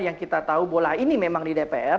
yang kita tahu bola ini memang di dpr